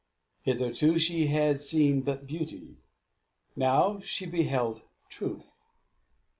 Hitherto she had seen but Beauty; now she beheld Truth.